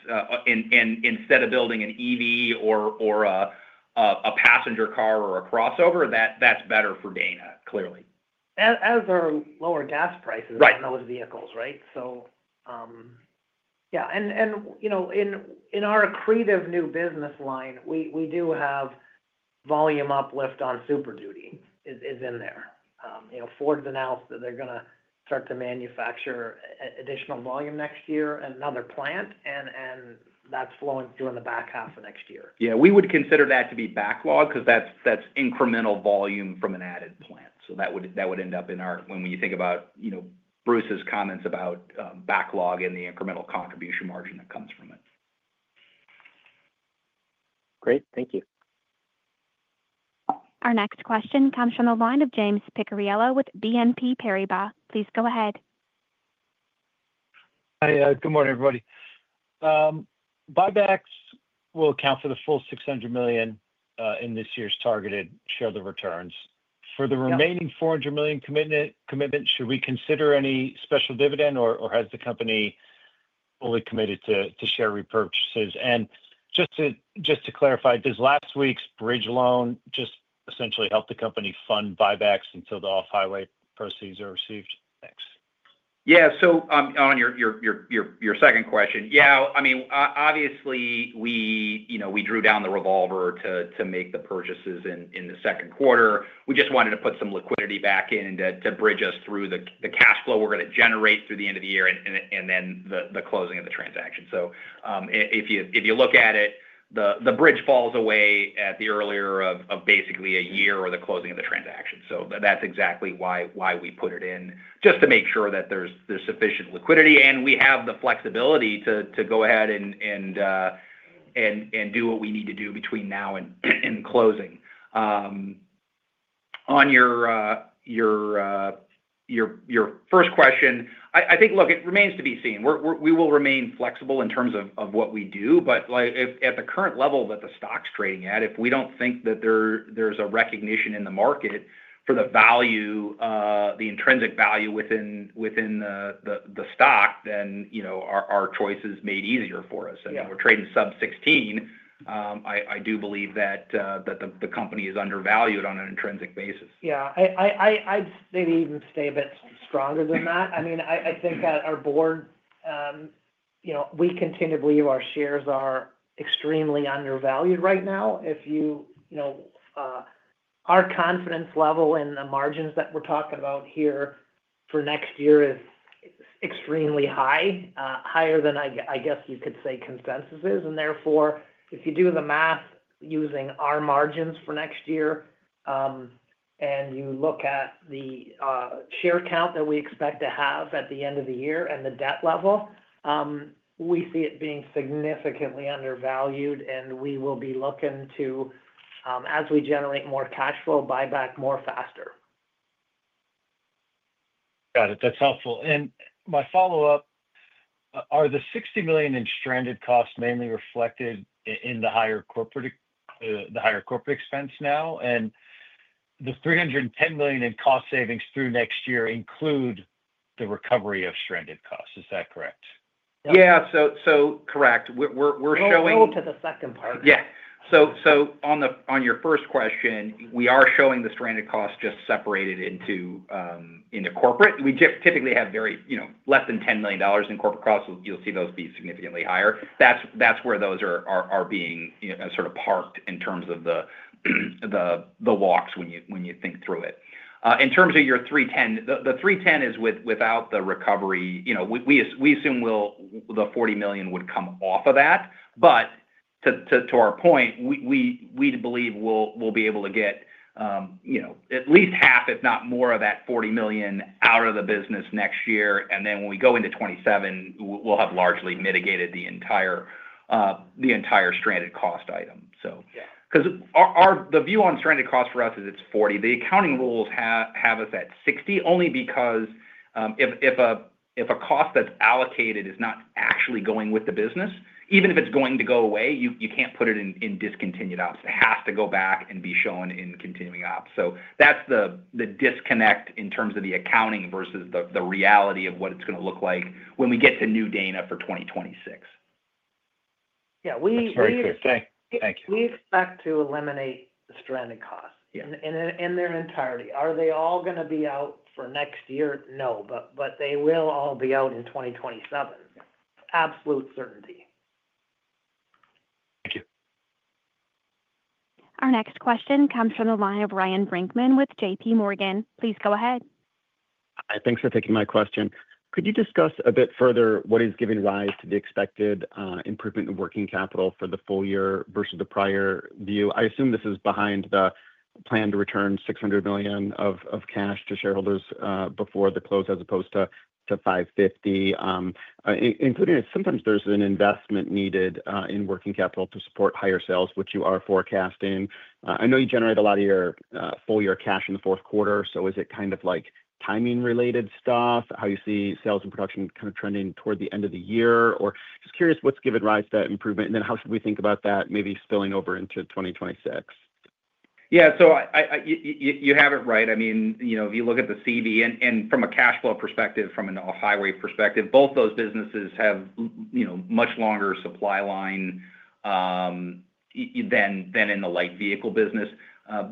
instead of building an EV or a passenger car or a crossover, that's better for Dana, clearly. Lower gas prices are in those vehicles, right? In our creative new business line, we do have volume uplift on Super Duty is in there. Ford's announced that they're going to start to manufacture additional volume next year in another plant, and that's flowing through in the back half of next year. Yeah, we would consider that to be backlog because that's incremental volume from an added plant. That would end up in our, when you think about, you know, Bruce's comments about backlog and the incremental contribution margin that comes from it. Great. Thank you. Our next question comes from the line of James Picariello with BNP Paribas. Please go ahead. Hi. Good morning, everybody. Buybacks will account for the full $600 million in this year's targeted share of the returns. For the remaining $400 million commitment, should we consider any special dividend, or has the company fully committed to share repurchases? Just to clarify, does last week's bridge loan essentially help the company fund buybacks until the off-highway proceeds are received? Thanks. Yeah. On your second question, I mean, obviously, we drew down the revolver to make the purchases in the second quarter. We just wanted to put some liquidity back in to bridge us through the cash flow we're going to generate through the end of the year and then the closing of the transaction. If you look at it, the bridge falls away at the earlier of basically a year or the closing of the transaction. That's exactly why we put it in, just to make sure that there's sufficient liquidity and we have the flexibility to go ahead and do what we need to do between now and closing. On your first question, I think it remains to be seen. We will remain flexible in terms of what we do. At the current level that the stock's trading at, if we don't think that there's a recognition in the market for the value, the intrinsic value within the stock, then you know our choice is made easier for us. We're trading sub $16. I do believe that the company is undervalued on an intrinsic basis. Yeah. I'd maybe even stay a bit stronger than that. I mean, I think that our board, you know, we continue to believe our shares are extremely undervalued right now. If you know, our confidence level in the margins that we're talking about here for next year is extremely high, higher than I guess you could say consensus is. Therefore, if you do the math using our margins for next year and you look at the share count that we expect to have at the end of the year and the debt level, we see it being significantly undervalued. We will be looking to, as we generate more cash flow, buy back more faster. Got it. That's helpful. My follow-up, are the $60 million in stranded costs mainly reflected in the higher corporate expense now? The $310 million in cost savings through next year include the recovery of stranded costs. Is that correct? Yeah, correct, we're showing. Let's move to the second part. Yeah. On your first question, we are showing the stranded costs just separated into corporate. We typically have very, you know, less than $10 million in corporate costs. You'll see those be significantly higher. That's where those are being sort of parked in terms of the walks when you think through it. In terms of your $310 million, the $310 million is without the recovery. We assume the $40 million would come off of that. To our point, we believe we'll be able to get, you know, at least half, if not more, of that $40 million out of the business next year. When we go into 2027, we'll have largely mitigated the entire stranded cost item. The view on stranded costs for us is it's $40 million. The accounting rules have us at $60 million only because if a cost that's allocated is not actually going with the business, even if it's going to go away, you can't put it in discontinued ops. It has to go back and be shown in continuing ops. That's the disconnect in terms of the accounting versus the reality of what it's going to look like when we get to new Dana for 2026. Yeah. We expect to eliminate stranded costs in their entirety. Are they all going to be out for next year? No, but they will all be out in 2027. Absolute certainty. Our next question comes from the line of Ryan Brinkman with JPMorgan. Please go ahead. Hi. Thanks for taking my question. Could you discuss a bit further what is giving rise to the expected improvement in working capital for the full year versus the prior view? I assume this is behind the plan to return $600 million of cash to shareholders before the close as opposed to $550 million. Including it, sometimes there's an investment needed in working capital to support higher sales, which you are forecasting. I know you generate a lot of your full-year cash in the fourth quarter. Is it kind of like timing-related stuff, how you see sales and production kind of trending toward the end of the year? I'm just curious, what's given rise to that improvement? How should we think about that maybe spilling over into 2026? Yeah. You have it right. I mean, if you look at the CV and from a cash flow perspective, from an off-highway perspective, both those businesses have much longer supply line than in the light vehicle business.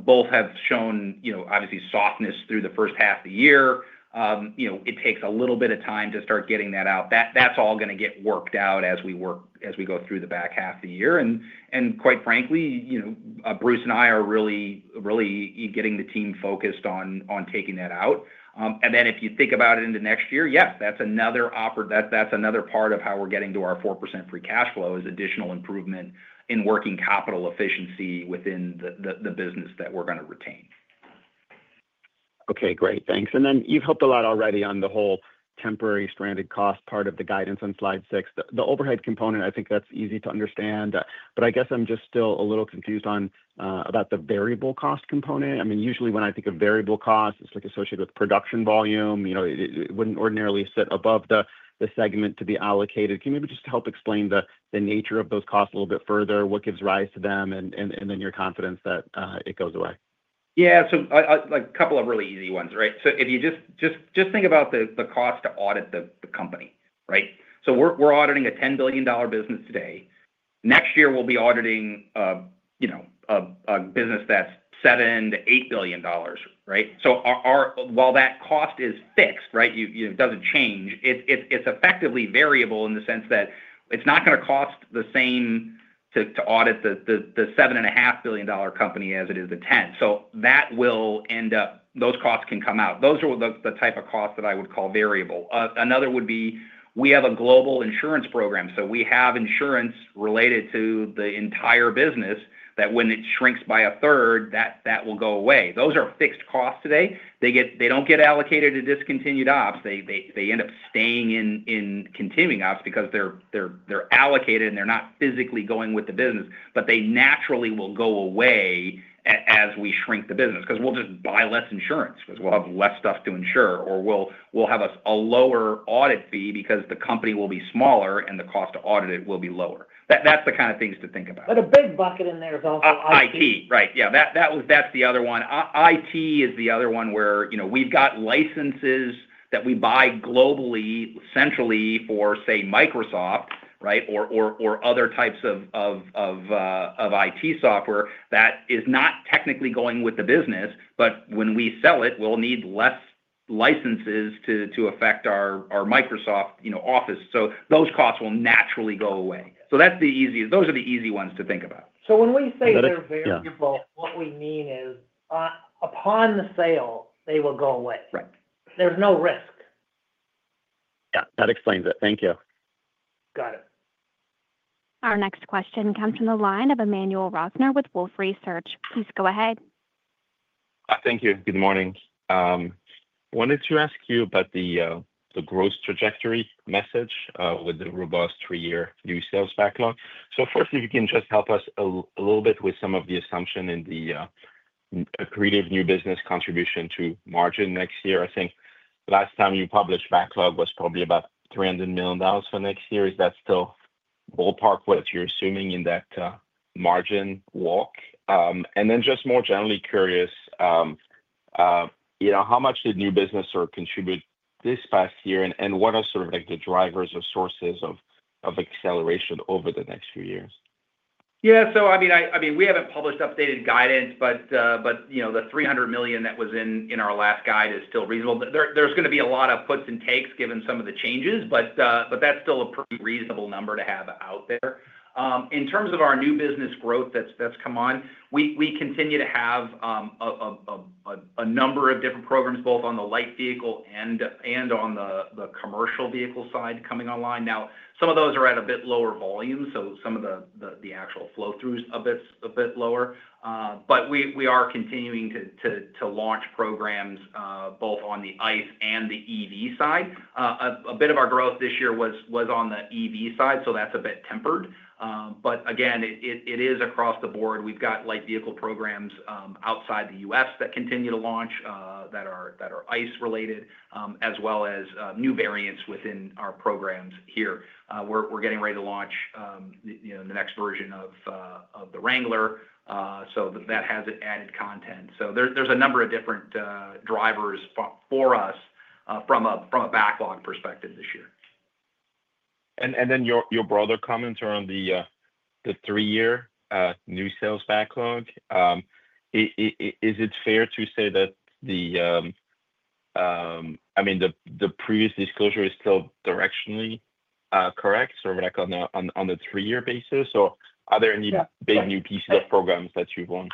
Both have shown, obviously, softness through the first half of the year. It takes a little bit of time to start getting that out. That's all going to get worked out as we go through the back half of the year. Quite frankly, Bruce and I are really, really getting the team focused on taking that out. If you think about it into next year, that's another part of how we're getting to our 4% free cash flow is additional improvement in working capital efficiency within the business that we're going to retain. Okay. Great. Thanks. You've helped a lot already on the whole temporary stranded cost part of the guidance on slide six. The overhead component, I think that's easy to understand. I'm just still a little confused about the variable cost component. I mean, usually when I think of variable costs, it's like associated with production volume. You know, it wouldn't ordinarily sit above the segment to be allocated. Can you maybe just help explain the nature of those costs a little bit further? What gives rise to them and your confidence that it goes away? Yeah. A couple of really easy ones, right? If you just think about the cost to audit the company, right? We're auditing a $10 billion business today. Next year, we'll be auditing, you know, a business that's $7 billion-$8 billion, right? While that cost is fixed, right, it doesn't change, it's effectively variable in the sense that it's not going to cost the same to audit the $7.5 billion company as it is the $10 billion. That will end up, those costs can come out. Those are the type of costs that I would call variable. Another would be we have a global insurance program. We have insurance related to the entire business that when it shrinks by 1/3, that will go away. Those are fixed costs today. They don't get allocated to discontinued ops. They end up staying in continuing ops because they're allocated and they're not physically going with the business. They naturally will go away as we shrink the business because we'll just buy less insurance because we'll have less stuff to insure or we'll have a lower audit fee because the company will be smaller and the cost to audit it will be lower. That's the kind of things to think about. A big bucket in there is also IT. IT, right. Yeah. That's the other one. IT is the other one where, you know, we've got licenses that we buy globally, centrally for, say, Microsoft, right, or other types of IT software that is not technically going with the business. When we sell it, we'll need less licenses to affect our Microsoft Office. Those costs will naturally go away. That's the easiest. Those are the easy ones to think about. When we say variable, what we mean is upon the sale, they will go away. There's no risk. That explains it. Thank you. Got it. Our next question comes from the line of Emmanuel Rosner with Wolfe Research. Please go ahead. Thank you. Good morning. I wanted to ask you about the growth trajectory message with the robust three-year new sales backlog. If you can just help us a little bit with some of the assumption in the creative new business contribution to margin next year. I think last time you published backlog was probably about $300 million for next year. Is that still ballpark what you're assuming in that margin walk? I'm just more generally curious, you know, how much did new business contribute this past year and what are sort of like the drivers or sources of acceleration over the next few years? Yeah. I mean, we haven't published updated guidance, but the $300 million that was in our last guide is still reasonable. There's going to be a lot of puts and takes given some of the changes, but that's still a pretty reasonable number to have out there. In terms of our new business growth that's come on, we continue to have a number of different programs, both on the light vehicle and on the commercial vehicle side coming online. Some of those are at a bit lower volume, so some of the actual flow-through is a bit lower. We are continuing to launch programs both on the ICE and the EV side. A bit of our growth this year was on the EV side, so that's a bit tempered. Again, it is across the board. We've got light vehicle programs outside the U.S. that continue to launch that are ICE-related, as well as new variants within our programs here. We're getting ready to launch the next version of the Wrangler. That has added content. There are a number of different drivers for us from a backlog perspective this year. Your broader comments around the three-year new sales backlog, is it fair to say that the previous disclosure is still directionally correct, sort of like on a three-year basis? Are there any big new pieces of programs that you've launched?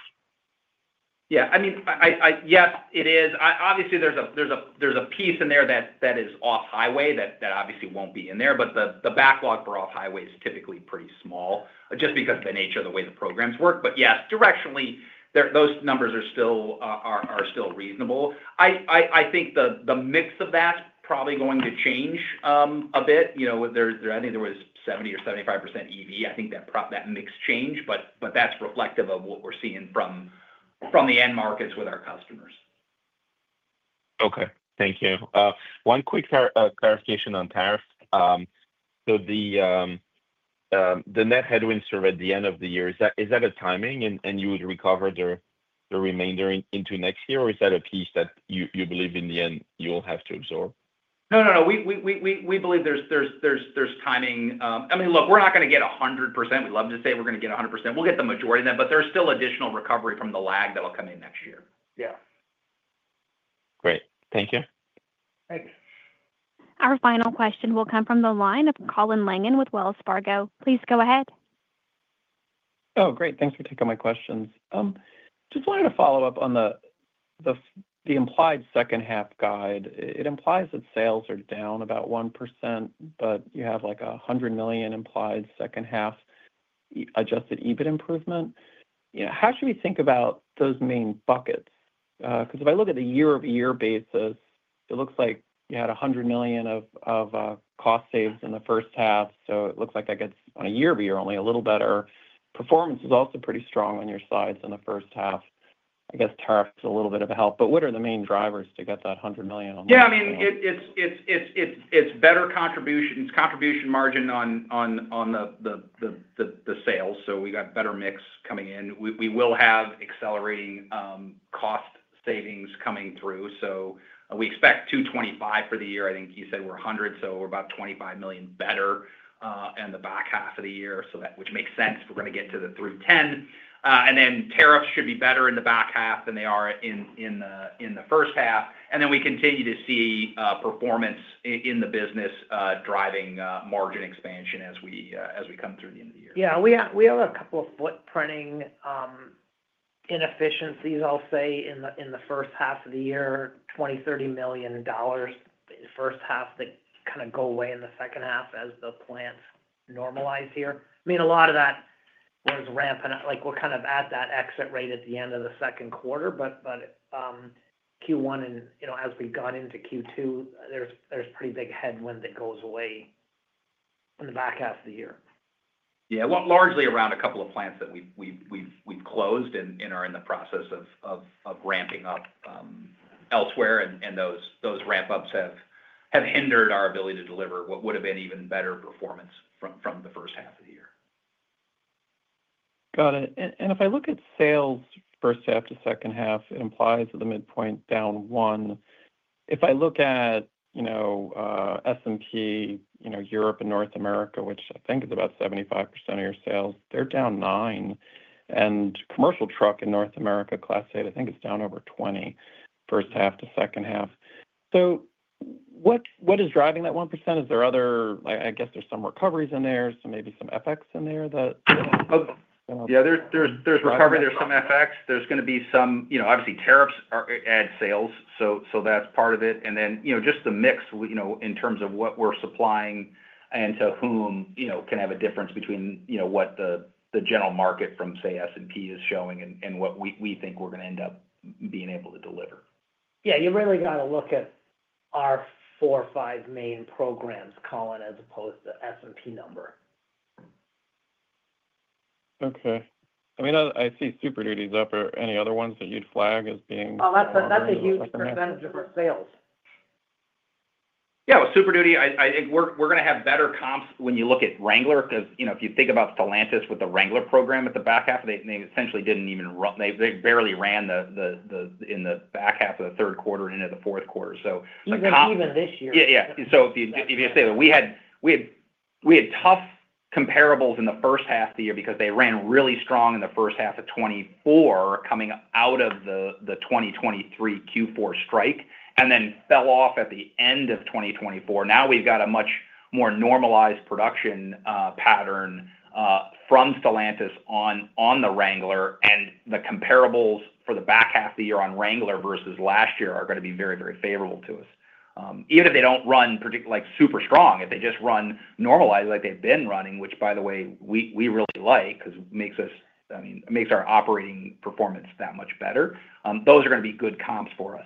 Yeah, I mean, yes, it is. Obviously, there's a piece in there that is off-highway that obviously won't be in there. The backlog for off-highway is typically pretty small just because of the nature of the way the programs work. Yes, directionally, those numbers are still reasonable. I think the mix of that's probably going to change a bit. I think there was 70% or 75% EV. I think that mix changed, but that's reflective of what we're seeing from the end markets with our customers. Okay. Thank you. One quick clarification on tariff. Are the net headwinds at the end of the year a timing, and you would recover the remainder into next year, or is that a piece that you believe in the end you'll have to absorb? No, no, no. We believe there's timing. I mean, look, we're not going to get 100%. We'd love to say we're going to get 100%. We'll get the majority in there, but there's still additional recovery from the lag that'll come in next year. Great, thank you. Thanks. Our final question will come from the line of Colin Langan with Wells Fargo. Please go ahead. Oh, great. Thanks for taking my questions. Just wanted to follow up on the implied second half guide. It implies that sales are down about 1%, but you have like a $100 million implied second half adjusted EBITDA improvement. How should we think about those main buckets? Because if I look at the year-over-year basis, it looks like you had $100 million of cost saves in the first half. It looks like that gets on a year-over-year only a little better. Performance was also pretty strong on your sides in the first half. I guess tariffs are a little bit of a help. What are the main drivers to get that $100 million? Yeah, I mean, it's better contribution. It's contribution margin on the sales. We got better mix coming in. We will have accelerating cost savings coming through. We expect $225 million for the year. I think you said we're $100 million, so we're about $25 million better in the back half of the year, which makes sense if we're going to get to the $310 million. Tariffs should be better in the back half than they are in the first half. We continue to see performance in the business driving margin expansion as we come through the end of the year. Yeah. We have a couple of footprinting inefficiencies, I'll say, in the first half of the year, $20 million, $30 million in the first half that kind of go away in the second half as the plants normalize here. I mean, a lot of that was ramping up. Like we're kind of at that exit rate at the end of the second quarter. Q1 and, you know, as we got into Q2, there's a pretty big headwind that goes away in the back half of the year. Yeah, largely around a couple of plants that we've closed and are in the process of ramping up elsewhere. Those ramp-ups have hindered our ability to deliver what would have been even better performance from the first half of the year. Got it. If I look at sales first half to second half, it implies that the midpoint down 1%. If I look at, you know, S&P, you know, Europe and North America, which I think is about 75% of your sales, they're down 9%. Commercial truck in North America class eight, I think it's down over 20% first half to second half. What is driving that 1%? Is there other, I guess there's some recoveries in there, maybe some FX in there? Yeah. There's recovery, there's some FX, there's going to be some, you know, obviously tariffs add sales. That's part of it. Then, you know, just the mix, you know, in terms of what we're supplying and to whom, you know, can have a difference between, you know, what the general market from, say, S&P is showing and what we think we're going to end up being able to deliver. Yeah, you really got to look at our four or five main programs, Colin, as opposed to S&P number. Okay. I mean, I see Super Duty is up. Are there any other ones that you'd flag as being? That's a huge percentage of our sales. Yeah. With Super Duty, I think we're going to have better comps when you look at Wrangler because, you know, if you think about Stellantis with the Wrangler program at the back half, they essentially didn't even run. They barely ran in the back half of the third quarter and into the fourth quarter. Even this year. If you say that we had tough comparables in the first half of the year because they ran really strong in the first half of 2024 coming out of the 2023 Q4 strike and then fell off at the end of 2024. Now we've got a much more normalized production pattern from Stellantis on the Wrangler, and the comparables for the back half of the year on Wrangler versus last year are going to be very, very favorable to us. Even if they don't run particularly like super strong, if they just run normalized like they've been running, which, by the way, we really like because it makes us, I mean, it makes our operating performance that much better. Those are going to be good comps for us.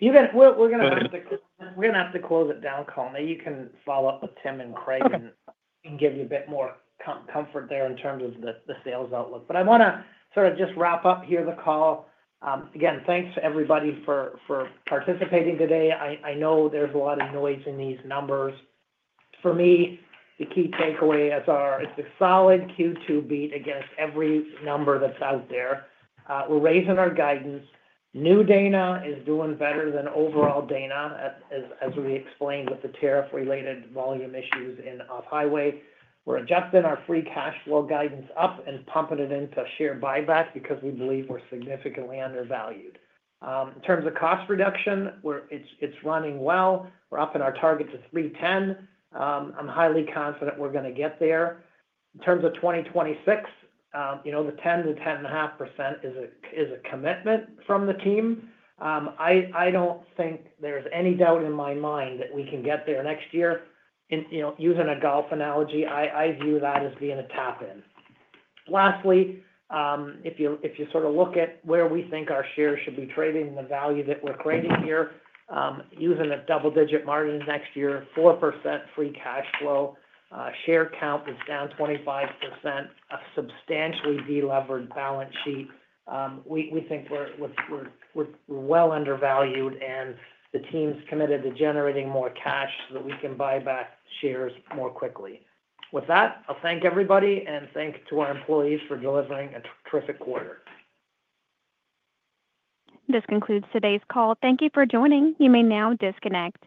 We're going to have to close it down, Colin. You can follow up with Tim and Craig and give you a bit more comfort there in terms of the sales outlook. I want to sort of just wrap up here the call. Again, thanks, everybody, for participating today. I know there's a lot of noise in these numbers. For me, the key takeaway is it's a solid Q2 beat against every number that's out there. We're raising our guidance. New Dana is doing better than overall Dana, as we explained with the tariff-related volume issues in off-highway. We're adjusting our free cash flow guidance up and pumping it into share buybacks because we believe we're significantly undervalued. In terms of cost reduction, it's running well. We're upping our target to $310 million. I'm highly confident we're going to get there. In terms of 2026, you know, the 10%-10.5% is a commitment from the team. I don't think there's any doubt in my mind that we can get there next year. You know, using a golf analogy, I view that as being a tap-in. Lastly, if you sort of look at where we think our shares should be trading and the value that we're creating here, using a double-digit margin next year, 4% free cash flow, share count that's down 25%, a substantially de-levered balance sheet, we think we're well undervalued, and the team's committed to generating more cash so that we can buy back shares more quickly. With that, I'll thank everybody and thank our employees for delivering a terrific quarter. This concludes today's call. Thank you for joining. You may now disconnect.